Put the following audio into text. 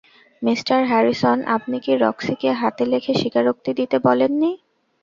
Mister Harrison, আপনি কি রক্সিকে হাতে লেখে স্বীকারোক্তি দিতে বলেননি?